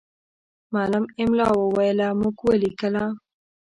معلم املا وویله، موږ ولیکله.